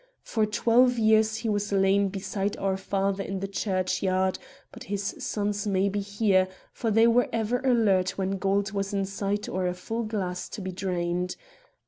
For twelve years he has lain beside our father in the churchyard, but his sons may be here, for they were ever alert when gold was in sight or a full glass to be drained.